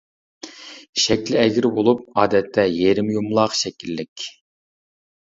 شەكلى ئەگرى بولۇپ، ئادەتتە يېرىم يۇمىلاق شەكىللىك.